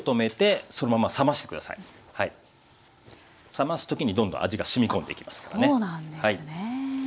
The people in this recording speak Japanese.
冷ます時にどんどん味がしみ込んでいきますからね。